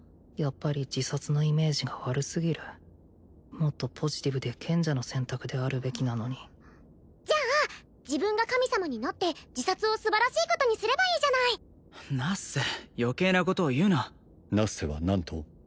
やっぱり自殺のイメージが悪すぎるもっとポジティブで賢者の選択であるべきなのにじゃあ自分が神様になって自殺をすばらしいことにすればいいじゃないナッセ余計なことを言うなナッセは何と？